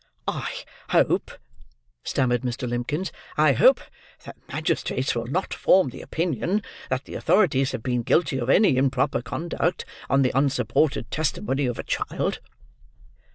"I hope," stammered Mr. Limbkins: "I hope the magistrates will not form the opinion that the authorities have been guilty of any improper conduct, on the unsupported testimony of a child."